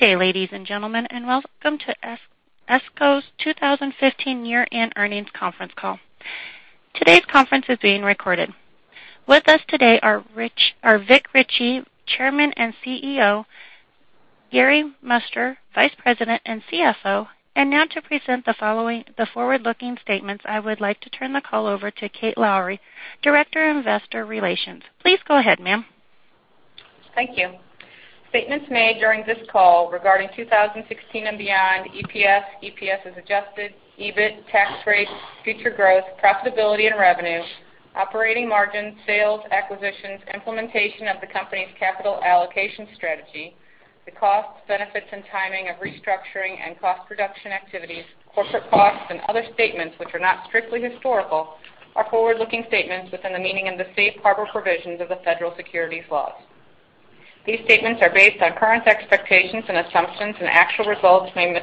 Good day, ladies and gentlemen, and welcome to ESCO's 2015 year-end earnings conference call. Today's conference is being recorded. With us today are Vic Richey, Chairman and CEO, Gary Muenster, Vice President and CFO. And now to present the forward-looking statements, I would like to turn the call over to Kate Lowrey, Director of Investor Relations. Please go ahead, ma'am. Thank you. Statements made during this call regarding 2016 and beyond, EPS, EPS as adjusted, EBIT, tax rate, future growth, profitability, and revenue, operating margin, sales, acquisitions, implementation of the company's capital allocation strategy, the costs, benefits, and timing of restructuring and cost reduction activities, corporate costs, and other statements which are not strictly historical, are forward-looking statements within the meaning and the safe harbor provisions of the federal securities laws. These statements are based on current expectations and assumptions, and actual results may,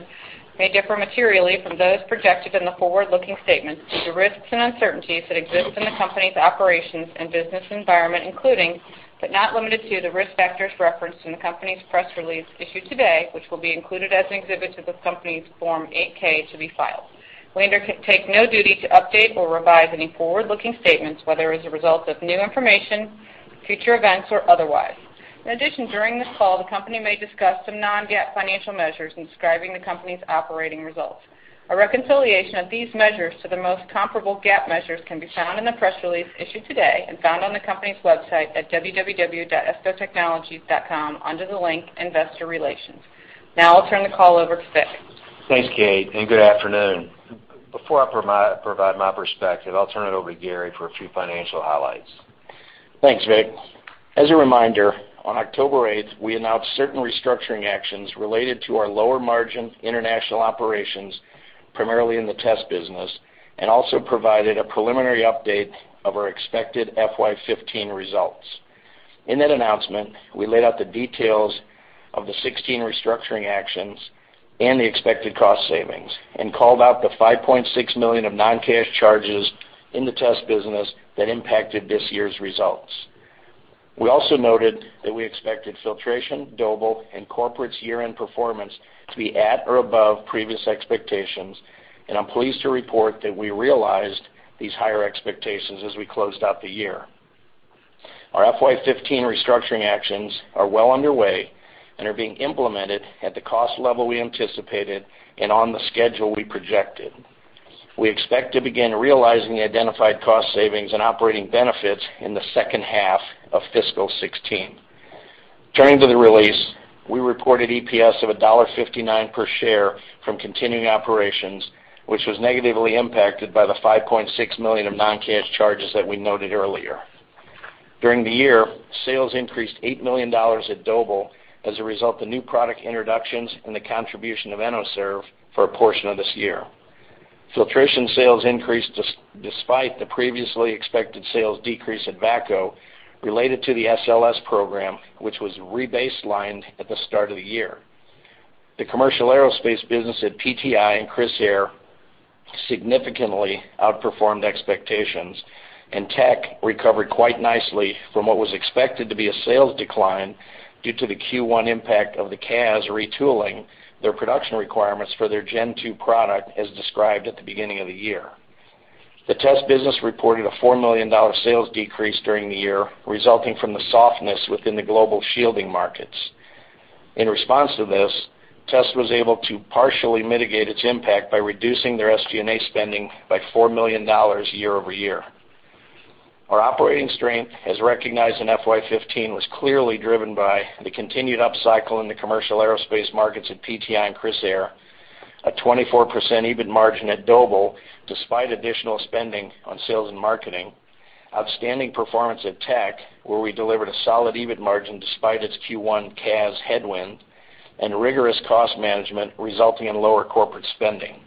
may differ materially from those projected in the forward-looking statements due to risks and uncertainties that exist in the company's operations and business environment, including, but not limited to, the risk factors referenced in the company's press release issued today, which will be included as an exhibit to the company's Form 8-K to be filed. We undertake no duty to update or revise any forward-looking statements, whether as a result of new information, future events, or otherwise. In addition, during this call, the company may discuss some non-GAAP financial measures in describing the company's operating results. A reconciliation of these measures to the most comparable GAAP measures can be found in the press release issued today and found on the company's website at www.escotechnologies.com, under the link Investor Relations. Now I'll turn the call over to Vic. Thanks, Kate, and good afternoon. Before I provide my perspective, I'll turn it over to Gary for a few financial highlights. Thanks, Vic. As a reminder, on October 8th, we announced certain restructuring actions related to our lower-margin international operations, primarily in the Test business, and also provided a preliminary update of our expected FY 2015 results. In that announcement, we laid out the details of the 16 restructuring actions and the expected cost savings, and called out the $5.6 million of non-cash charges in the Test business that impacted this year's results. We also noted that we expected Filtration, Doble, and Corporate's year-end performance to be at or above previous expectations, and I'm pleased to report that we realized these higher expectations as we closed out the year. Our FY 2015 restructuring actions are well underway and are being implemented at the cost level we anticipated and on the schedule we projected. We expect to begin realizing the identified cost savings and operating benefits in the second half of fiscal 2016. Turning to the release, we reported EPS of $1.59 per share from continuing operations, which was negatively impacted by the $5.6 million of non-cash charges that we noted earlier. During the year, sales increased $8 million at Doble as a result of new product introductions and the contribution of ENOSERV for a portion of this year. Filtration sales increased despite the previously expected sales decrease at VACCO related to the SLS program, which was rebaselined at the start of the year. The commercial aerospace business at PTI and Crissair significantly outperformed expectations, and TEQ recovered quite nicely from what was expected to be a sales decline due to the Q1 impact of the CAS retooling their production requirements for their Gen 2 product, as described at the beginning of the year. The Test business reported a $4 million sales decrease during the year, resulting from the softness within the global shielding markets. In response to this, Test was able to partially mitigate its impact by reducing their SG&A spending by $4 million year-over-year. Our operating strength, as recognized in FY 2015, was clearly driven by the continued upcycle in the commercial aerospace markets at PTI and Crissair, a 24% EBIT margin at Doble, despite additional spending on sales and marketing, outstanding performance at TEQ, where we delivered a solid EBIT margin despite its Q1 CAS headwind, and rigorous cost management, resulting in lower corporate spending.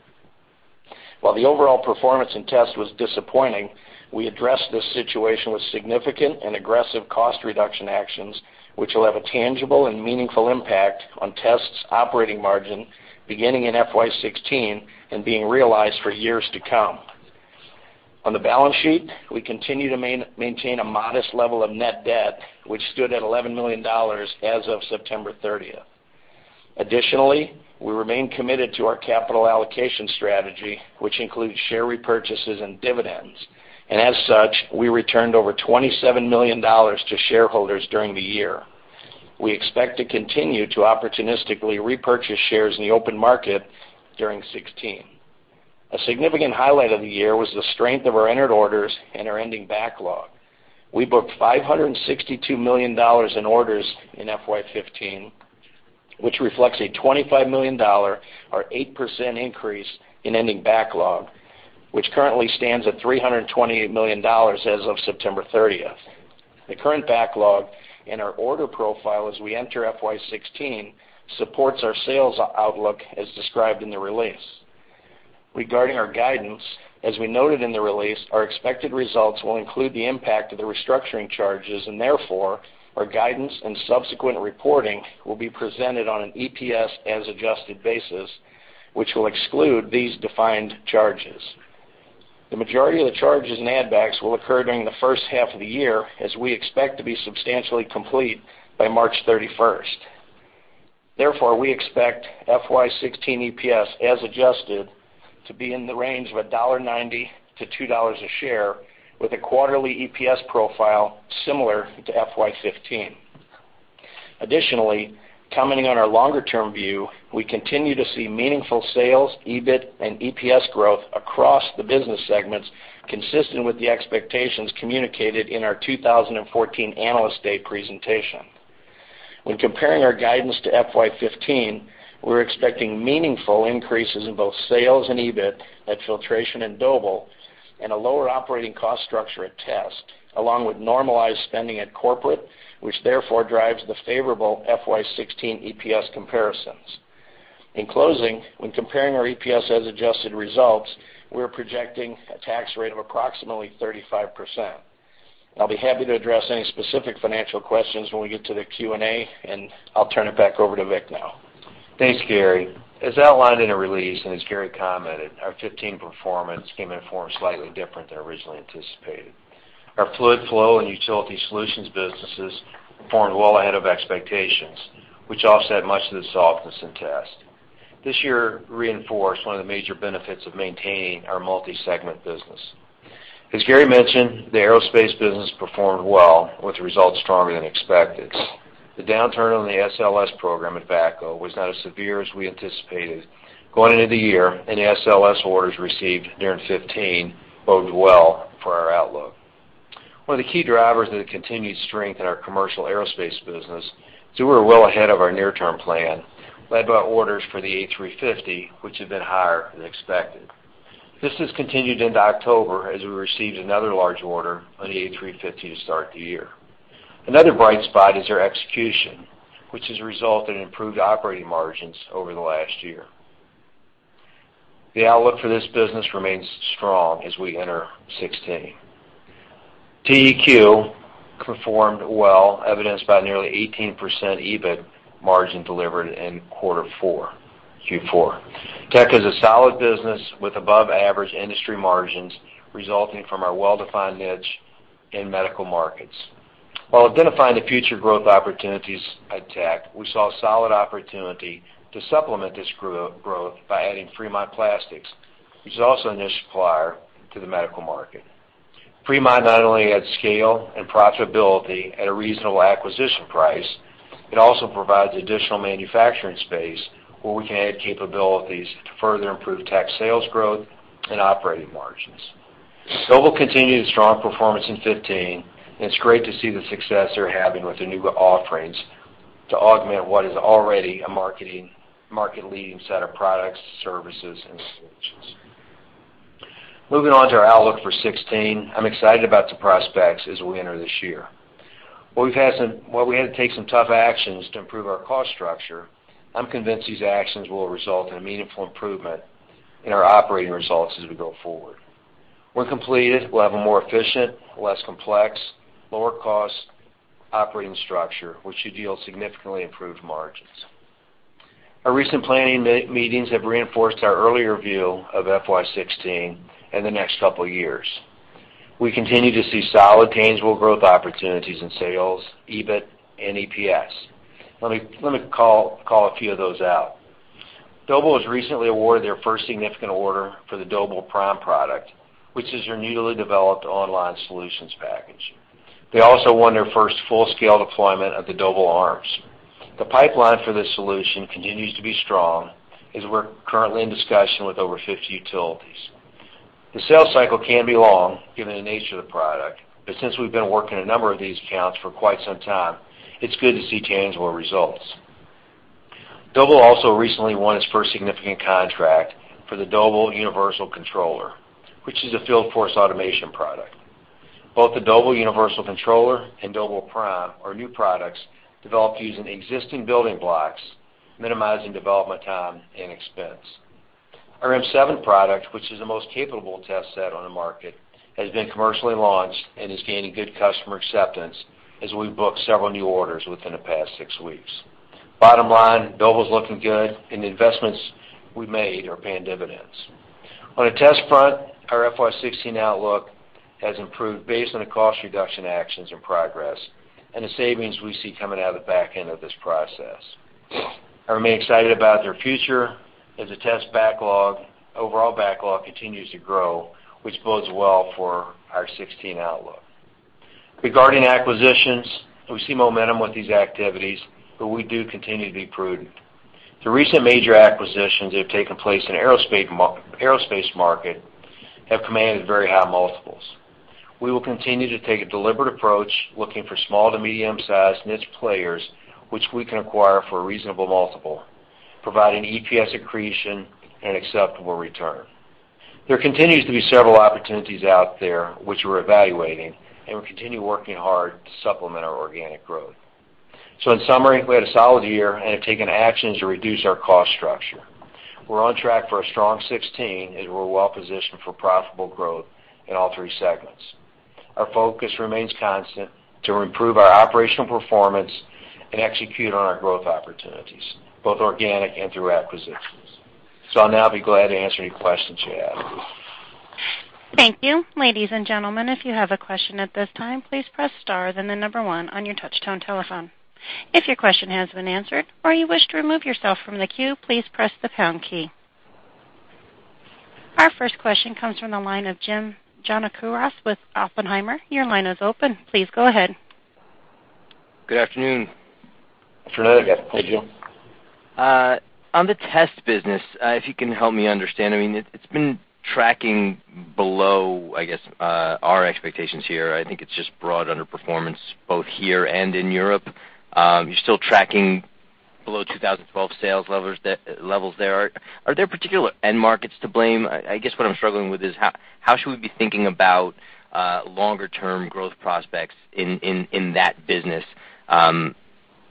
While the overall performance in Test was disappointing, we addressed this situation with significant and aggressive cost reduction actions, which will have a tangible and meaningful impact on Test's operating margin beginning in FY 2016 and being realized for years to come. On the balance sheet, we continue to maintain a modest level of net debt, which stood at $11 million as of September 30th. Additionally, we remain committed to our capital allocation strategy, which includes share repurchases and dividends, and as such, we returned over $27 million to shareholders during the year. We expect to continue to opportunistically repurchase shares in the open market during 2016. A significant highlight of the year was the strength of our entered orders and our ending backlog. We booked $562 million in orders in FY 2015, which reflects a $25 million or 8% increase in ending backlog, which currently stands at $328 million as of September 30th. The current backlog and our order profile as we enter FY 2016 supports our sales outlook as described in the release. Regarding our guidance, as we noted in the release, our expected results will include the impact of the restructuring charges, and therefore, our guidance and subsequent reporting will be presented on an EPS as adjusted basis, which will exclude these defined charges. The majority of the charges and add backs will occur during the first half of the year, as we expect to be substantially complete by March 31st. Therefore, we expect FY 2016 EPS, as adjusted, to be in the range of $1.90-$2.00 a share, with a quarterly EPS profile similar to FY 2015. Additionally, commenting on our longer-term view, we continue to see meaningful sales, EBIT, and EPS growth across the business segments, consistent with the expectations communicated in our 2014 Analyst Day presentation. When comparing our guidance to FY 2015, we're expecting meaningful increases in both sales and EBIT at Filtration and Doble, and a lower operating cost structure at Test, along with normalized spending at corporate, which therefore drives the favorable FY 2016 EPS comparisons. In closing, when comparing our EPS as adjusted results, we're projecting a tax rate of approximately 35%. I'll be happy to address any specific financial questions when we get to the Q&A, and I'll turn it back over to Vic now. Thanks, Gary. As outlined in the release, and as Gary commented, our 2015 performance came in a form slightly different than originally anticipated. Our Fluid Flow and Utility Solutions businesses performed well ahead of expectations, which offset much of the softness in Test. This year reinforced one of the major benefits of maintaining our multi-segment business. As Gary mentioned, the aerospace business performed well, with results stronger than expected. The downturn on the SLS program at VACCO was not as severe as we anticipated going into the year, and the SLS orders received during 2015 bodes well for our outlook. One of the key drivers of the continued strength in our commercial aerospace business is we were well ahead of our near-term plan, led by orders for the A350, which have been higher than expected. This has continued into October, as we received another large order on the A350 to start the year. Another bright spot is our execution, which has resulted in improved operating margins over the last year. The outlook for this business remains strong as we enter 2016. TEQ performed well, evidenced by nearly 18% EBIT margin delivered in quarter four, Q4. TEQ is a solid business with above-average industry margins, resulting from our well-defined niche in medical markets. While identifying the future growth opportunities at TEQ, we saw a solid opportunity to supplement this growth by adding Fremont Plastics, which is also a niche supplier to the medical market. Fremont not only adds scale and profitability at a reasonable acquisition price, it also provides additional manufacturing space where we can add capabilities to further improve TEQ sales growth and operating margins. Doble continued its strong performance in 2015, and it's great to see the success they're having with the new offerings to augment what is already a market-leading set of products, services, and solutions. Moving on to our outlook for 2016, I'm excited about the prospects as we enter this year. While we had to take some tough actions to improve our cost structure, I'm convinced these actions will result in a meaningful improvement in our operating results as we go forward. When completed, we'll have a more efficient, less complex, lower-cost operating structure, which should yield significantly improved margins. Our recent planning meetings have reinforced our earlier view of FY 2016 and the next couple of years. We continue to see solid, tangible growth opportunities in sales, EBIT, and EPS. Let me call a few of those out. Doble was recently awarded their first significant order for the Doble PRIME product, which is their newly developed online solutions package. They also won their first full-scale deployment of the Doble ARMS. The pipeline for this solution continues to be strong, as we're currently in discussion with over 50 utilities. The sales cycle can be long, given the nature of the product, but since we've been working a number of these accounts for quite some time, it's good to see tangible results. Doble also recently won its first significant contract for the Doble Universal Controller, which is a field force automation product. Both the Doble Universal Controller and Doble PRIME are new products developed using existing building blocks, minimizing development time and expense. Our M7 product, which is the most capable test set on the market, has been commercially launched and is gaining good customer acceptance as we've booked several new orders within the past six weeks. Bottom line, Doble is looking good, and the investments we made are paying dividends. On the Test front, our FY 2016 outlook has improved based on the cost reduction actions and progress, and the savings we see coming out of the back end of this process. I remain excited about their future as the Test backlog, overall backlog continues to grow, which bodes well for our 2016 outlook. Regarding acquisitions, we see momentum with these activities, but we do continue to be prudent. The recent major acquisitions that have taken place in aerospace market have commanded very high multiples. We will continue to take a deliberate approach, looking for small to medium-sized niche players, which we can acquire for a reasonable multiple, providing EPS accretion and acceptable return. There continues to be several opportunities out there which we're evaluating, and we're continuing working hard to supplement our organic growth. So in summary, we had a solid year and have taken actions to reduce our cost structure. We're on track for a strong 2016, as we're well positioned for profitable growth in all three segments. Our focus remains constant to improve our operational performance and execute on our growth opportunities, both organic and through acquisitions. So I'll now be glad to answer any questions you have. Thank you. Ladies and gentlemen, if you have a question at this time, please press star, then the number one on your touchtone telephone. If your question has been answered or you wish to remove yourself from the queue, please press the pound key. Our first question comes from the line of Jim Giannakouros with Oppenheimer. Your line is open. Please go ahead. Good afternoon. Afternoon, Jim. On the Test business, if you can help me understand, I mean, it's been tracking below, I guess, our expectations here. I think it's just broad underperformance, both here and in Europe. You're still tracking below 2012 sales levels there. Are there particular end markets to blame? I guess what I'm struggling with is how should we be thinking about longer-term growth prospects in that business, you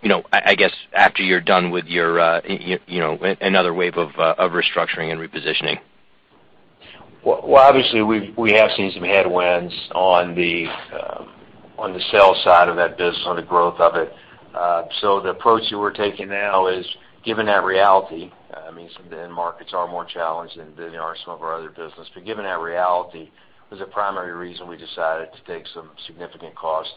know, I guess, after you're done with your, you know, another wave of restructuring and repositioning? Well, well, obviously, we have seen some headwinds on the sales side of that business, on the growth of it. So the approach that we're taking now is, given that reality, I mean, some of the end markets are more challenged than they are in some of our other business. But given that reality, was the primary reason we decided to take some significant cost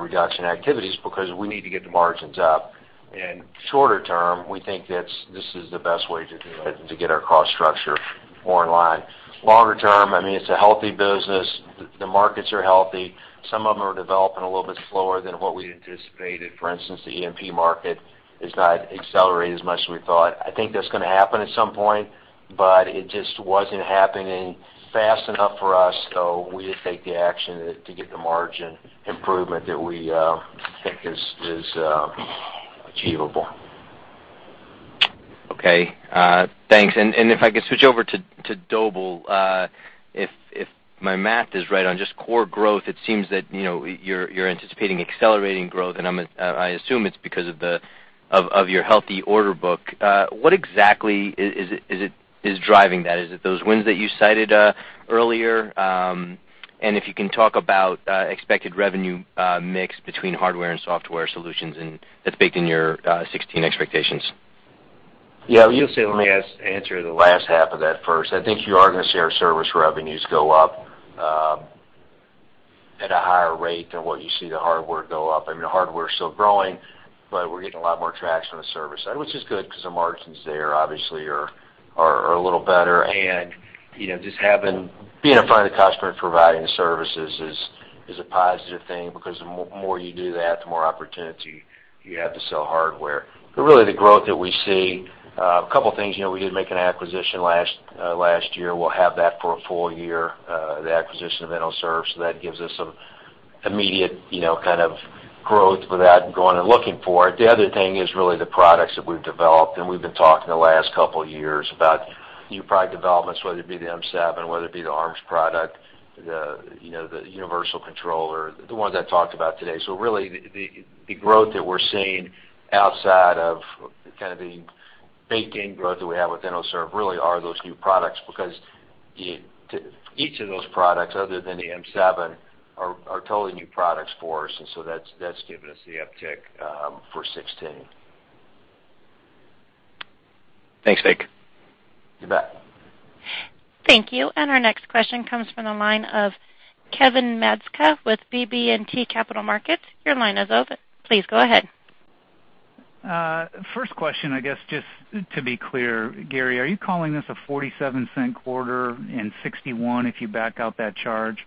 reduction activities because we need to get the margins up. And shorter term, we think this is the best way to do it, to get our cost structure more in line. Longer term, I mean, it's a healthy business. The markets are healthy. Some of them are developing a little bit slower than what we anticipated. For instance, the EMP market has not accelerated as much as we thought. I think that's gonna happen at some point, but it just wasn't happening fast enough for us, so we had to take the action to get the margin improvement that we think is achievable. Okay, thanks. And if I could switch over to Doble, if my math is right on just core growth, it seems that, you know, you're anticipating accelerating growth, and I assume it's because of your healthy order book. What exactly is driving that? Is it those wins that you cited earlier? And if you can talk about expected revenue mix between hardware and software solutions and that's baked in your 2016 expectations. Yeah, you see, let me answer the last half of that first. I think you are gonna see our service revenues go up at a higher rate than what you see the hardware go up. I mean, the hardware is still growing, but we're getting a lot more traction on the service side, which is good because the margins there obviously are a little better. And, you know, just being in front of the customer and providing the services is a positive thing because the more you do that, the more opportunity you have to sell hardware. But really, the growth that we see, a couple of things, you know, we did make an acquisition last year. We'll have that for a full year, the acquisition of ENOSERV, so that gives us some immediate, you know, kind of growth without going and looking for it. The other thing is really the products that we've developed, and we've been talking the last couple of years about new product developments, whether it be the M7, whether it be the ARMS product, the, you know, the universal controller, the ones I talked about today. So really, the growth that we're seeing outside of kind of the baked-in growth that we have with ENOSERV, really are those new products, because each of those products, other than the M7, are totally new products for us. And so that's giving us the uptick for 2016. Thanks, Vic. You bet. Thank you. Our next question comes from the line of Kevin Maczka with BB&T Capital Markets. Your line is open. Please go ahead. First question, I guess, just to be clear, Gary, are you calling this a $0.47 quarter and $0.61 if you back out that charge?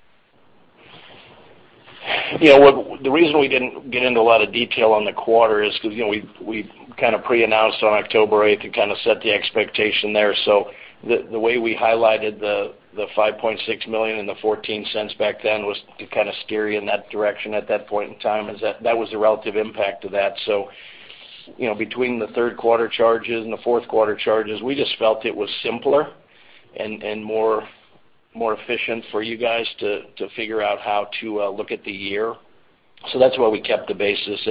Yeah, well, the reason we didn't get into a lot of detail on the quarter is because, you know, we kind of pre-announced on October eighth to kind of set the expectation there. So the way we highlighted the $5.6 million and the $0.14 back then was to kind of steer you in that direction at that point in time, that was the relative impact of that. So, you know, between the third quarter charges and the fourth quarter charges, we just felt it was simpler and more efficient for you guys to figure out how to look at the year. So that's why we kept the basis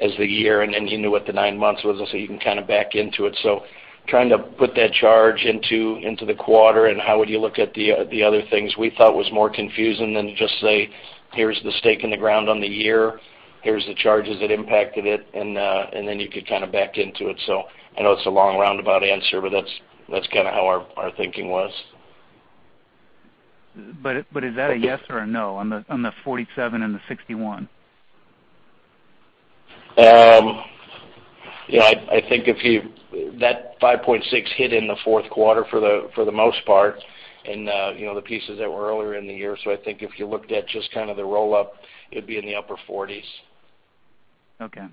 as the year, and then you knew what the nine months was, so you can kind of back into it. So, trying to put that charge into the quarter, and how would you look at the other things, we thought was more confusing than to just say, "Here's the stake in the ground on the year. Here's the charges that impacted it," and then you could kind of back into it. So, I know it's a long, roundabout answer, but that's kind of how our thinking was. But is that a yes or a no on the $0.47 and the $0.61? Yeah, I think if you... That $5.6 hit in the fourth quarter for the most part, and, you know, the pieces that were earlier in the year. So I think if you looked at just kind of the roll-up, it'd be in the upper 40s. Okay.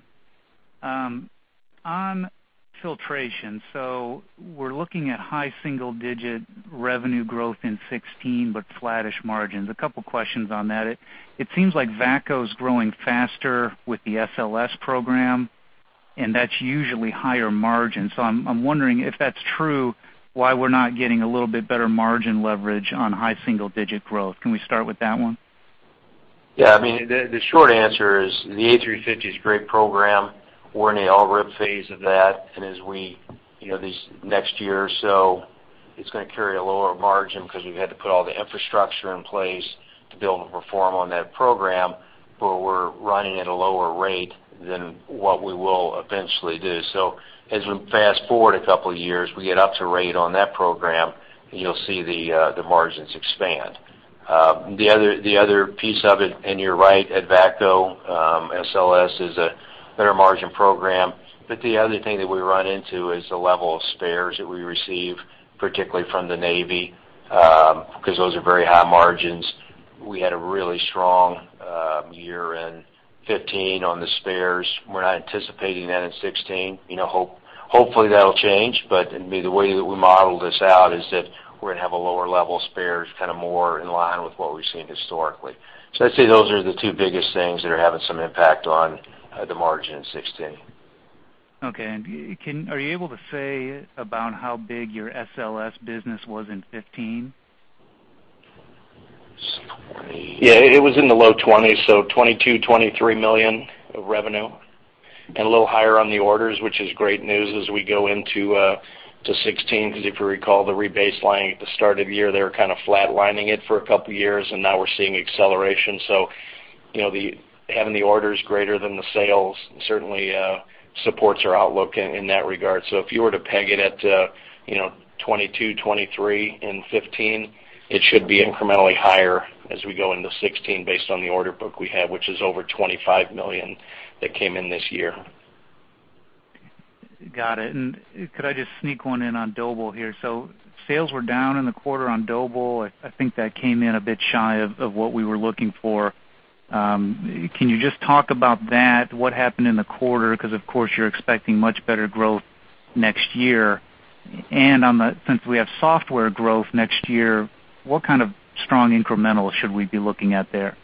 On filtration, so we're looking at high single-digit revenue growth in 2016, but flattish margins. A couple of questions on that. It seems like VACCO is growing faster with the SLS program, and that's usually higher margin. So I'm wondering if that's true, why we're not getting a little bit better margin leverage on high single-digit growth. Can we start with that one? Yeah, I mean, the short answer is the A350 is a great program. We're in the on-ramp phase of that, and as we, you know, this next year or so. It's gonna carry a lower margin because we've had to put all the infrastructure in place to be able to perform on that program, but we're running at a lower rate than what we will eventually do. So as we fast forward a couple of years, we get up to rate on that program, and you'll see the margins expand. The other piece of it, and you're right, at VACCO, SLS is a better margin program. But the other thing that we run into is the level of spares that we receive, particularly from the Navy, because those are very high margins. We had a really strong year in 2015 on the spares. We're not anticipating that in 2016. You know, hopefully, that'll change, but the way that we modeled this out is that we're gonna have a lower level of spares, kind of more in line with what we've seen historically. So I'd say those are the two biggest things that are having some impact on the margin in 2016. Okay. And are you able to say about how big your SLS business was in 2015? Yeah, it was in the low 20s, so $22 million-$23 million of revenue, and a little higher on the orders, which is great news as we go into 2016, because if you recall, the rebaselining at the start of the year, they were kind of flatlining it for a couple of years, and now we're seeing acceleration. So you know, having the orders greater than the sales certainly supports our outlook in that regard. So if you were to peg it at, you know, $22 million-$23 million in 2015, it should be incrementally higher as we go into 2016, based on the order book we have, which is over $25 million, that came in this year. Got it. And could I just sneak one in on Doble here? So sales were down in the quarter on Doble. I think that came in a bit shy of what we were looking for. Can you just talk about that? What happened in the quarter? Because, of course, you're expecting much better growth next year. And on the... Since we have software growth next year, what kind of strong incremental should we be looking at there?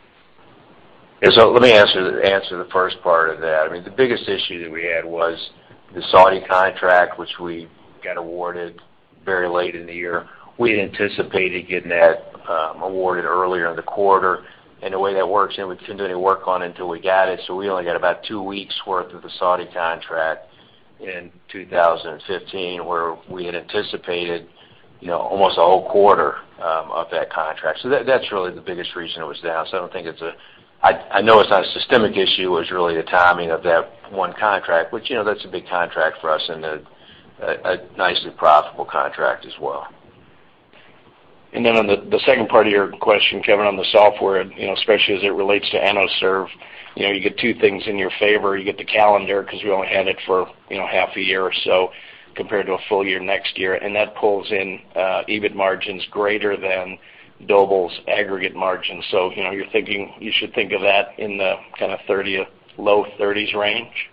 Yeah. So let me answer the first part of that. I mean, the biggest issue that we had was the Saudi contract, which we got awarded very late in the year. We anticipated getting that awarded earlier in the quarter, and the way that works, and we couldn't do any work on it until we got it, so we only got about two weeks' worth of the Saudi contract in 2015, where we had anticipated, you know, almost a whole quarter of that contract. So that's really the biggest reason it was down. So I don't think it's a... I know it's not a systemic issue. It's really the timing of that one contract, which, you know, that's a big contract for us and a nicely profitable contract as well. Then on the second part of your question, Kevin, on the software, you know, especially as it relates to ENOSERV, you know, you get two things in your favor. You get the calendar because we only had it for, you know, half a year or so, compared to a full year next year, and that pulls in EBIT margins greater than Doble's aggregate margin. So, you know, you're thinking - you should think of that in the kind of 30, low 30s range,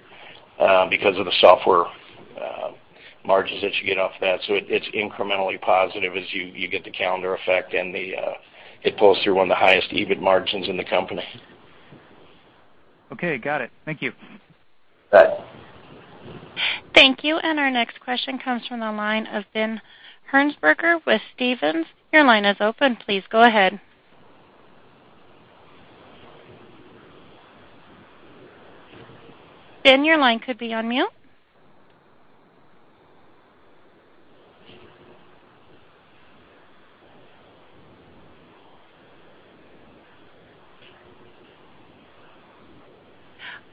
because of the software margins that you get off that. So it's incrementally positive as you get the calendar effect and it pulls through one of the highest EBIT margins in the company. Okay, got it. Thank you. Bye. Thank you. And our next question comes from the line of Ben Hearnsberger with Stephens. Your line is open. Please go ahead. Ben, your line could be on mute.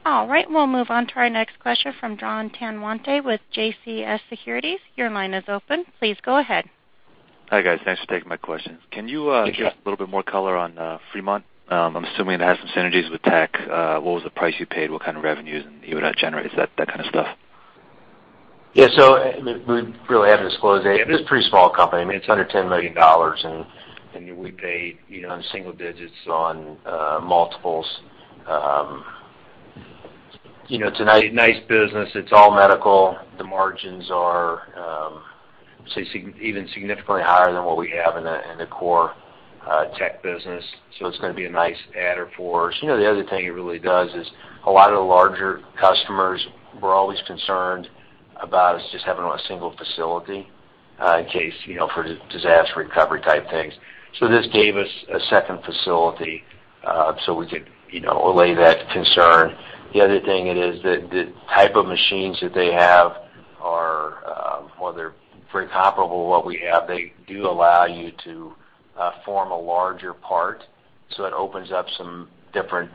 All right, we'll move on to our next question from John Tanwanteng with CJS Securities. Your line is open. Please go ahead. Hi, guys. Thanks for taking my questions. Yeah. Can you give a little bit more color on Fremont? I'm assuming it has some synergies with TEQ. What was the price you paid? What kind of revenues and EBITDA generates, that kind of stuff. Yeah, so we really haven't disclosed it. It's a pretty small company. I mean, it's under $10 million, and we paid, you know, in single digits on multiples. You know, it's a nice business. It's all medical. The margins are, say, even significantly higher than what we have in the core TEQ business, so it's gonna be a nice adder for us. You know, the other thing it really does is a lot of the larger customers were always concerned about us just having a single facility in case, you know, for disaster recovery type things. So this gave us a second facility, so we could, you know, allay that concern. The other thing it is, the type of machines that they have are, well, they're pretty comparable to what we have. They do allow you to form a larger part, so it opens up some different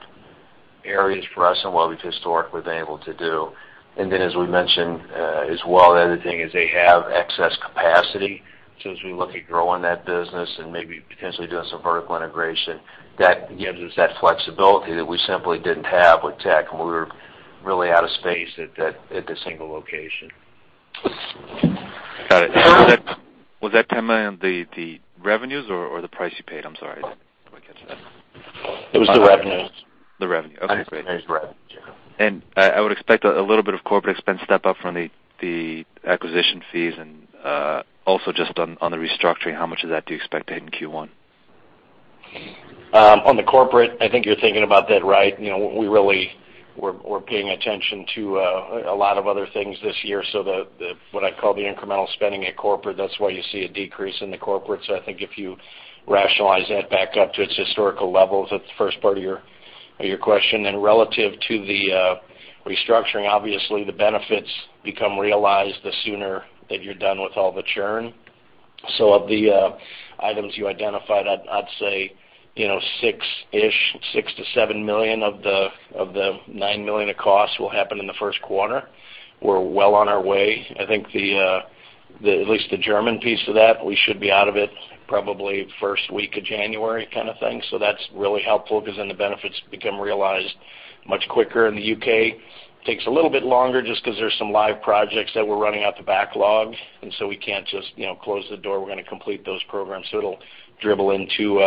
areas for us and what we've historically been able to do. And then, as we mentioned, as well, the other thing is they have excess capacity. So as we look at growing that business and maybe potentially doing some vertical integration, that gives us that flexibility that we simply didn't have with TEQ, and we were really out of space at the single location. Got it. And was that, was that $10 million the, the revenues or, or the price you paid? I'm sorry, I didn't quite catch that. It was the revenues. The revenue. Okay, great. It was the revenues, yeah. I would expect a little bit of corporate expense step up from the acquisition fees. And, also just on the restructuring, how much of that do you expect to hit in Q1? On the corporate, I think you're thinking about that right. You know, we really, we're paying attention to a lot of other things this year, so the, what I call the incremental spending at corporate, that's why you see a decrease in the corporate. So I think if you rationalize that back up to its historical levels, that's the first part of your question. And relative to the restructuring, obviously, the benefits become realized the sooner that you're done with all the churn. So of the items you identified, I'd say, you know, $6-ish, $6 million-$7 million of the $9 million of costs will happen in the first quarter. We're well on our way. I think the, the at least the German piece of that, we should be out of it probably first week of January, kind of thing. So that's really helpful because then the benefits become realized much quicker. In the U.K., takes a little bit longer just 'cause there's some live projects that we're running out the backlog, and so we can't just, you know, close the door. We're gonna complete those programs, so it'll dribble into,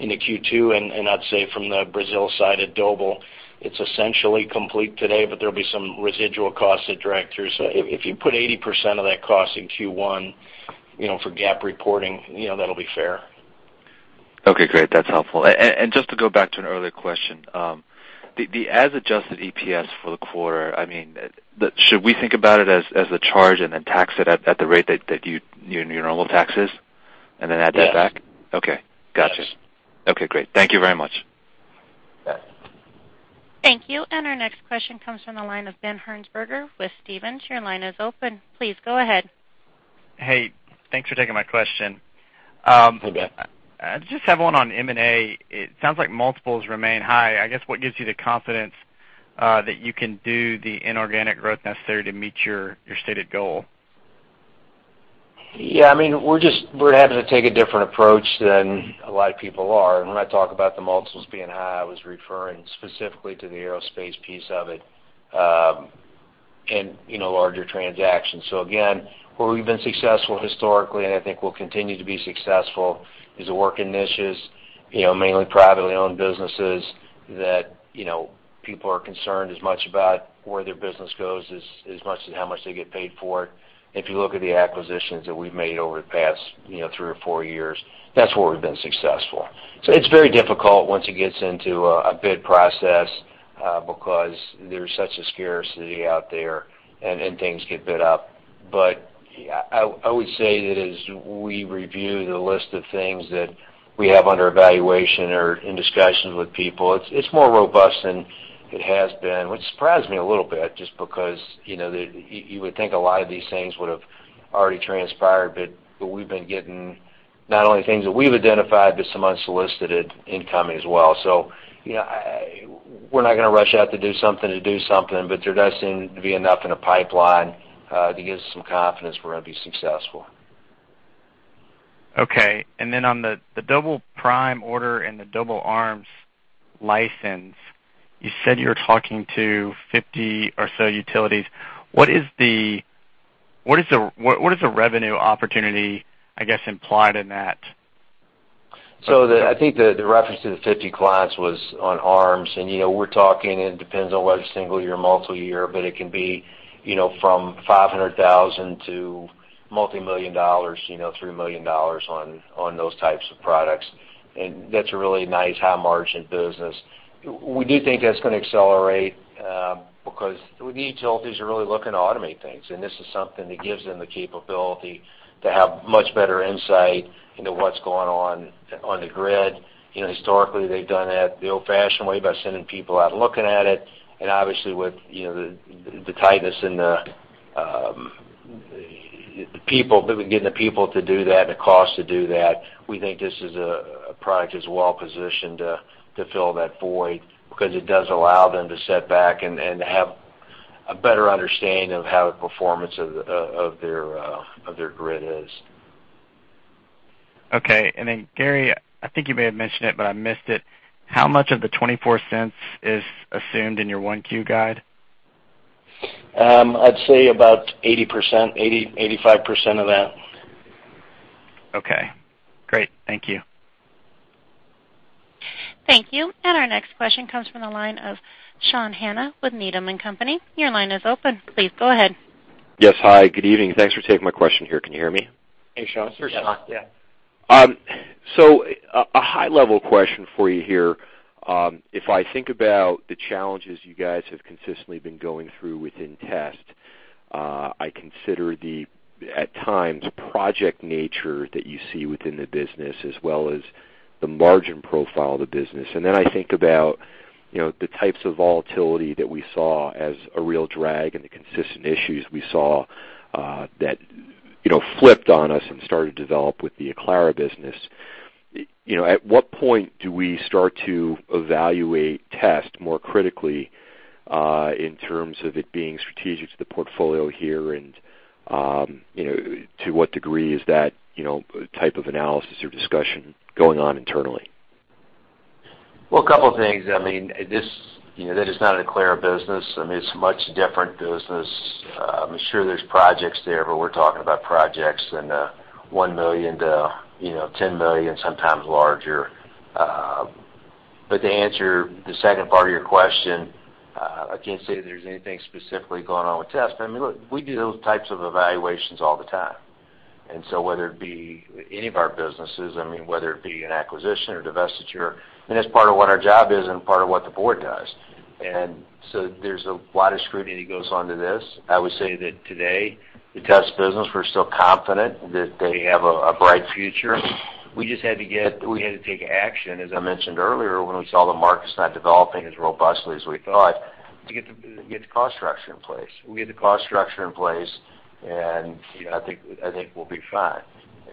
into Q2. And, and I'd say from the Brazil side at Doble, it's essentially complete today, but there'll be some residual costs that drag through. So if, if you put 80% of that cost in Q1, you know, for GAAP reporting, you know, that'll be fair. Okay, great. That's helpful. And just to go back to an earlier question, the as-adjusted EPS for the quarter, I mean, should we think about it as a charge and then tax it at the rate that your normal tax is, and then add that back? Yes. Okay. Gotcha. Yes. Okay, great. Thank you very much. Yes. Thank you. Our next question comes from the line of Ben Hearnsberger with Stephens. Your line is open. Please go ahead. Hey, thanks for taking my question. Hey, Ben. I just have one on M&A. It sounds like multiples remain high. I guess, what gives you the confidence, that you can do the inorganic growth necessary to meet your, your stated goal? Yeah, I mean, we're just -- we're having to take a different approach than a lot of people are. And when I talk about the multiples being high, I was referring specifically to the aerospace piece of it, and, you know, larger transactions. So again, where we've been successful historically, and I think we'll continue to be successful, is to work in niches, you know, mainly privately owned businesses that, you know, people are concerned as much about where their business goes as, as much as how much they get paid for it. If you look at the acquisitions that we've made over the past, you know, three or four years, that's where we've been successful. So it's very difficult once it gets into a, a bid process, because there's such a scarcity out there, and, and things get bid up. But I, I would say that as we review the list of things that we have under evaluation or in discussions with people, it's, it's more robust than it has been, which surprised me a little bit just because, you know, that you, you would think a lot of these things would have already transpired. But, but we've been getting not only things that we've identified, but some unsolicited incoming as well. So, you know, I, we're not gonna rush out to do something, to do something, but there does seem to be enough in the pipeline to give us some confidence we're gonna be successful. Okay. And then on the Doble PRIME order and the Doble ARMS license, you said you were talking to 50 or so utilities. What is the revenue opportunity, I guess, implied in that? I think the reference to the 50 clients was on ARMS. And, you know, we're talking, it depends on whether it's single year, multiyear, but it can be, you know, from $500,000 to multi-million dollars, you know, $3 million on those types of products. And that's a really nice, high-margin business. We do think that's gonna accelerate, because the utilities are really looking to automate things, and this is something that gives them the capability to have much better insight into what's going on, on the grid. You know, historically, they've done that the old-fashioned way by sending people out and looking at it. And obviously, with you know the tightness in the people getting the people to do that and the cost to do that, we think this is a product that's well positioned to fill that void because it does allow them to sit back and have a better understanding of how the performance of their grid is. Okay. And then, Gary, I think you may have mentioned it, but I missed it. How much of the $0.24 is assumed in your 1Q guide? I'd say about 80%, 80, 85% of that. Okay, great. Thank you. Thank you. And our next question comes from the line of Sean Hannan with Needham and Company. Your line is open. Please go ahead. Yes. Hi, good evening. Thanks for taking my question here. Can you hear me? Hey, Sean. Sure can. Yeah. So a high-level question for you here. If I think about the challenges you guys have consistently been going through within Test, I consider the, at times, project nature that you see within the business, as well as the margin profile of the business. And then I think about, you know, the types of volatility that we saw as a real drag and the consistent issues we saw that, you know, flipped on us and started to develop with the Aclara business. You know, at what point do we start to evaluate Test more critically, in terms of it being strategic to the portfolio here? And, you know, to what degree is that, you know, type of analysis or discussion going on internally? Well, a couple of things. I mean, this, you know, that is not an Aclara business. I mean, it's a much different business. I'm sure there's projects there, but we're talking about projects than one million to, you know, ten million, sometimes larger. But to answer the second part of your question, I can't say there's anything specifically going on with Test. I mean, look, we do those types of evaluations all the time. And so whether it be any of our businesses, I mean, whether it be an acquisition or divestiture, and that's part of what our job is and part of what the board does. And so there's a lot of scrutiny goes on to this. I would say that today, the Test business, we're still confident that they have a bright future. We had to take action, as I mentioned earlier, when we saw the markets not developing as robustly as we thought, to get the cost structure in place. We get the cost structure in place, and, you know, I think we'll be fine.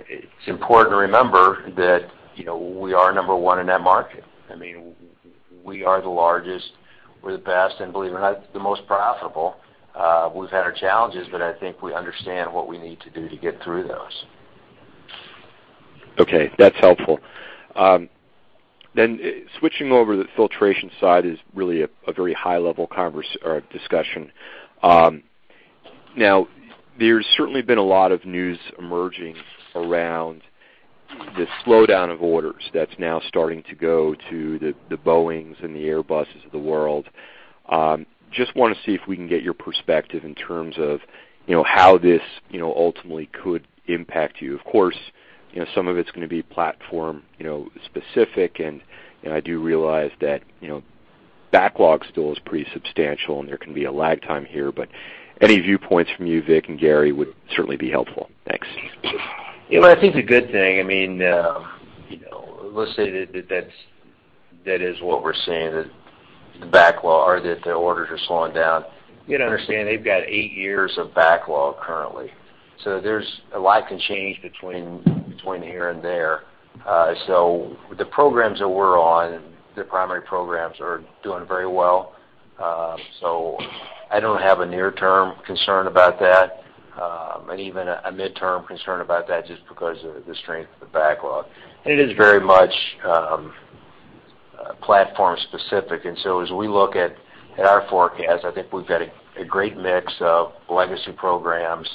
It's important to remember that, you know, we are number one in that market. I mean, we are the largest, we're the best, and believe it or not, the most profitable. We've had our challenges, but I think we understand what we need to do to get through those. Okay, that's helpful. Then switching over to the filtration side is really a very high-level conversation or discussion. Now, there's certainly been a lot of news emerging around the slowdown of orders that's now starting to go to the Boeings and the Airbuses of the world. Just wanna see if we can get your perspective in terms of, you know, how this, you know, ultimately could impact you. Of course, you know, some of it's gonna be platform, you know, specific, and I do realize that, you know, backlog still is pretty substantial, and there can be a lag time here, but any viewpoints from you, Vic and Gary, would certainly be helpful. Thanks. Yeah, well, I think the good thing, I mean, you know, let's say that that's what we're seeing, that the backlog or that the orders are slowing down. You gotta understand, they've got eight years of backlog currently, so there's a lot can change between here and there. So the programs that we're on, the primary programs, are doing very well. So I don't have a near-term concern about that, and even a midterm concern about that, just because of the strength of the backlog. And it is very much platform specific. And so as we look at our forecast, I think we've got a great mix of legacy programs,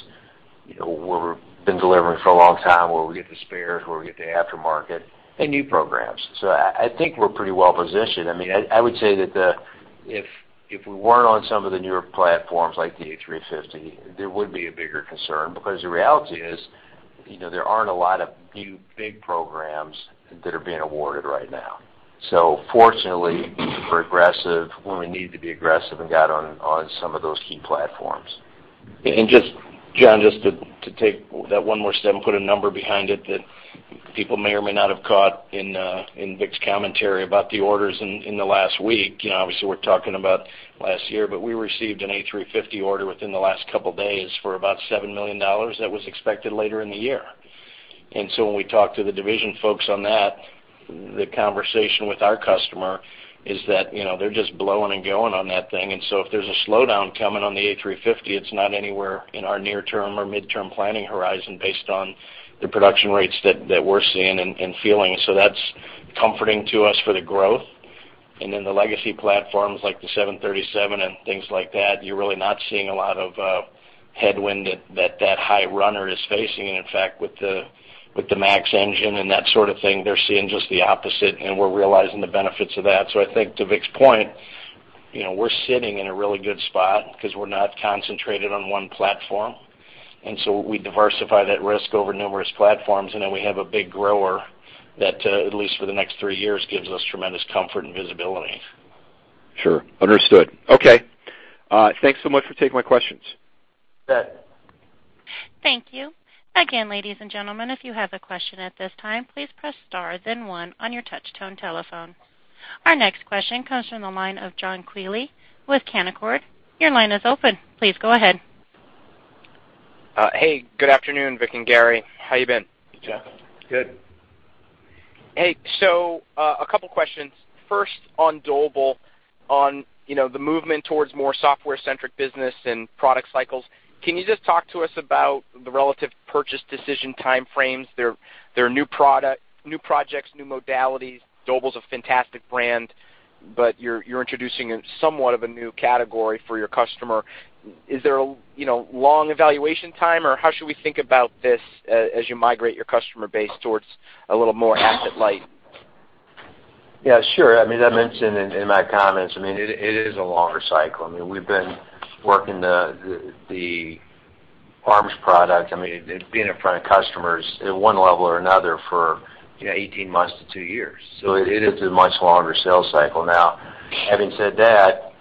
you know, where we've been delivering for a long time, where we get the spares, where we get the aftermarket and new programs. So I think we're pretty well positioned. I mean, I would say that if we weren't on some of the newer platforms, like the A350, there would be a bigger concern, because the reality is, you know, there aren't a lot of new, big programs that are being awarded right now. So fortunately, we're aggressive when we needed to be aggressive and got on some of those key platforms. Just, John, just to take that one more step and put a number behind it that people may or may not have caught in, in Vic's commentary about the orders in, in the last week. You know, obviously, we're talking about last year, but we received an A350 order within the last couple days for about $7 million that was expected later in the year. And so when we talked to the division folks on that, the conversation with our customer is that, you know, they're just blowing and going on that thing. And so if there's a slowdown coming on the A350, it's not anywhere in our near-term or mid-term planning horizon based on the production rates that we're seeing and feeling. So that's comforting to us for the growth. And then the legacy platforms, like the 737 and things like that, you're really not seeing a lot of headwind that high runner is facing. And in fact, with the MAX engine and that sort of thing, they're seeing just the opposite, and we're realizing the benefits of that. So I think to Vic's point, you know, we're sitting in a really good spot because we're not concentrated on one platform, and so we diversify that risk over numerous platforms. And then we have a big grower that at least for the next three years, gives us tremendous comfort and visibility. Sure. Understood. Okay. Thanks so much for taking my questions. Bet. Thank you. Again, ladies and gentlemen, if you have a question at this time, please press star then one on your touchtone telephone. Our next question comes from the line of John Quealy with Canaccord. Your line is open. Please go ahead. Hey, good afternoon, Vic and Gary. How you been? Hey, John. Good. Hey, so, a couple questions. First, on Doble, on, you know, the movement towards more software-centric business and product cycles, can you just talk to us about the relative purchase decision time frames? They're, they're new product, new projects, new modalities. Doble's a fantastic brand, but you're, you're introducing a somewhat of a new category for your customer. Is there a, you know, long evaluation time, or how should we think about this as, as you migrate your customer base towards a little more asset light? Yeah, sure. I mean, I mentioned in my comments, I mean, it is a longer cycle. I mean, we've been working the ARMS product, I mean, it's been in front of customers at one level or another for, you know, 18 months to 2 years. So it is a much longer sales cycle now. Having said that,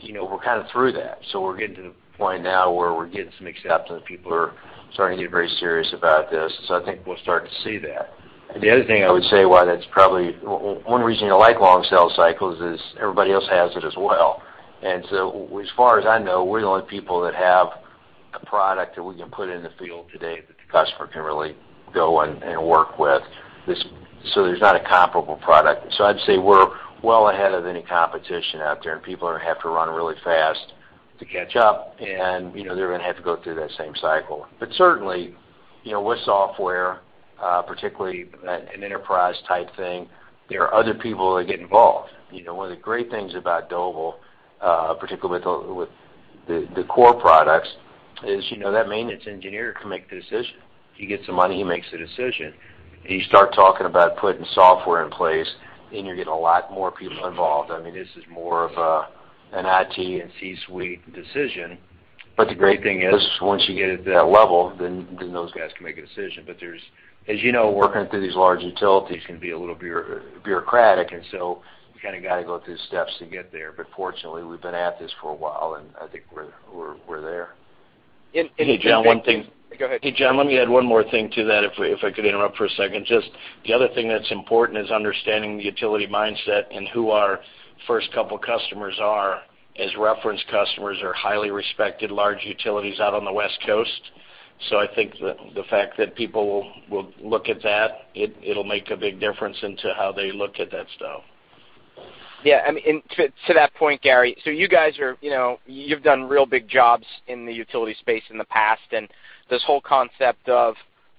you know, we're kind of through that, so we're getting to the point now where we're getting some acceptance. People are starting to get very serious about this, so I think we'll start to see that. The other thing I would say, why that's probably one reason you like long sales cycles is everybody else has it as well. And so as far as I know, we're the only people that have a product that we can put in the field today that the customer can really go and work with this, so there's not a comparable product. So I'd say we're well ahead of any competition out there, and people are gonna have to run really fast to catch up, and, you know, they're gonna have to go through that same cycle. But certainly, you know, with software, particularly an enterprise-type thing, there are other people that get involved. You know, one of the great things about Doble, particularly with the core products, is, you know, that maintenance engineer can make the decision. He gets the money, he makes the decision. You start talking about putting software in place, and you're getting a lot more people involved. I mean, this is more of an IT and C-suite decision, but the great thing is, once you get at that level, then those guys can make a decision. But there's, as you know, working through these large utilities can be a little bureaucratic, and so you kind of got to go through steps to get there. But fortunately, we've been at this for a while, and I think we're there. And, and- Hey, John, one thing- Hey, John, let me add one more thing to that, if I could interrupt for a second. Just the other thing that's important is understanding the utility mindset and who our first couple customers are, as reference customers are highly respected, large utilities out on the West Coast. So I think the fact that people will look at that, it'll make a big difference into how they look at that stuff. Yeah, and to that point, Gary, so you guys are, you know, you've done real big jobs in the utility space in the past, and this whole concept of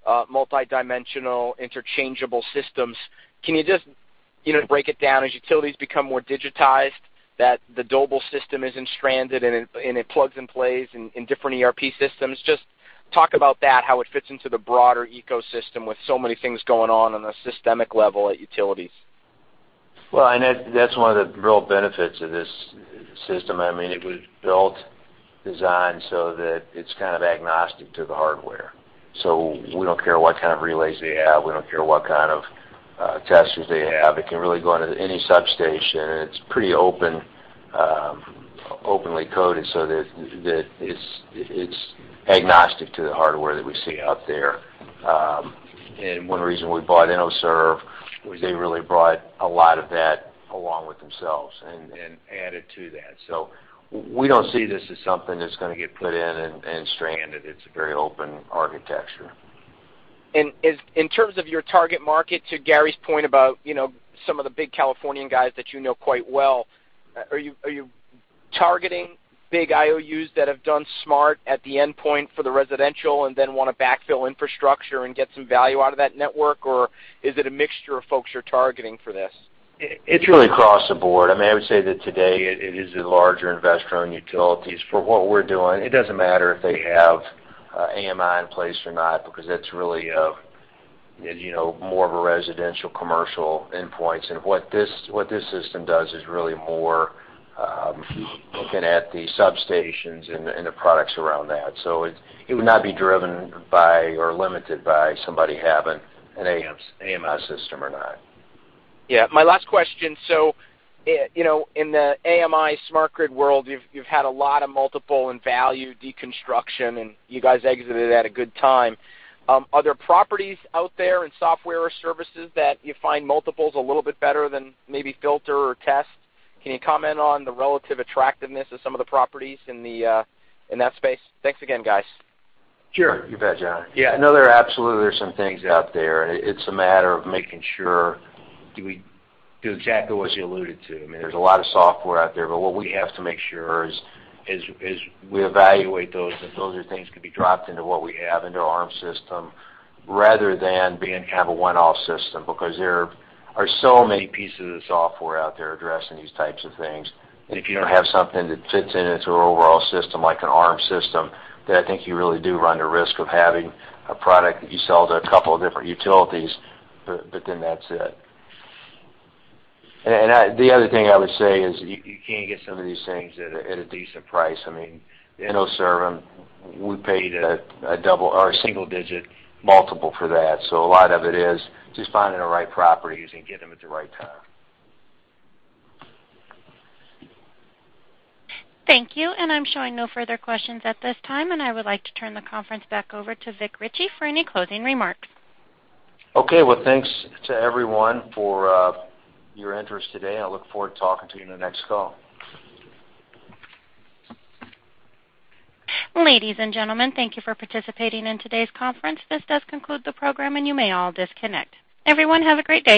multidimensional, interchangeable systems, can you just, you know, break it down? As utilities become more digitized, that the Doble system isn't stranded and it, and it plugs and plays in different ERP systems. Just talk about that, how it fits into the broader ecosystem with so many things going on on a systemic level at utilities. Well, and that, that's one of the real benefits of this system. I mean, it was built, designed so that it's kind of agnostic to the hardware. So we don't care what kind of relays they have, we don't care what kind of testers they have. It can really go into any substation, and it's pretty open, openly coded so that, that it's, it's agnostic to the hardware that we see out there. And one reason we bought ENOSERV was they really brought a lot of that along with themselves and, and added to that. So we don't see this as something that's gonna get put in and, and stranded. It's a very open architecture. In terms of your target market, to Gary's point about, you know, some of the big Californian guys that you know quite well, are you, are you targeting big IOUs that have done smart at the endpoint for the residential and then wanna backfill infrastructure and get some value out of that network? Or is it a mixture of folks you're targeting for this? It's really across the board. I mean, I would say that today it is a larger investor-owned utilities. For what we're doing, it doesn't matter if they have AMI in place or not, because that's really a, you know, more of a residential, commercial endpoints. And what this, what this system does is really more looking at the substations and the and the products around that. So it would not be driven by or limited by somebody having an AMI system or not. Yeah. My last question, so, you know, in the AMI smart grid world, you've, you've had a lot of multiple and value deconstruction, and you guys exited at a good time. Are there properties out there in software or services that you find multiples a little bit better than maybe Filter or Test? Can you comment on the relative attractiveness of some of the properties in the, in that space? Thanks again, guys. Sure. You bet, John. Yeah. No, there absolutely are some things out there. It's a matter of making sure, do we... To exactly what you alluded to, I mean, there's a lot of software out there, but what we have to make sure is we evaluate those, if those are things could be dropped into what we have, into our ARMS, rather than being kind of a one-off system. Because there are so many pieces of software out there addressing these types of things, and if you don't have something that fits into an overall system, like an ARMS, then I think you really do run the risk of having a product that you sell to a couple of different utilities, but then that's it. And the other thing I would say is, you can get some of these things at a decent price. I mean, ENOSERV, we paid a double or a single-digit multiple for that, so a lot of it is just finding the right properties and getting them at the right time. Thank you, and I'm showing no further questions at this time, and I would like to turn the conference back over to Vic Richey for any closing remarks. Okay. Well, thanks to everyone for your interest today, and I look forward to talking to you in the next call. Ladies and gentlemen, thank you for participating in today's conference. This does conclude the program, and you may all disconnect. Everyone, have a great day.